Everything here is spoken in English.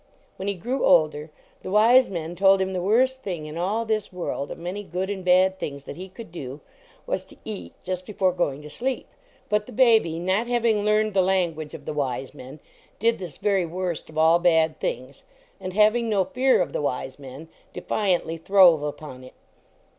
When he grew older, the wise men told him the worst thing in all this world, of many good and bad things that he could do, was 3 ALPHA to eat just before going to sleep. But the baby, not having learned the language of the wise men, did this very worst of all bad things, and, having no fear of the wise men, defiantly throve upon it.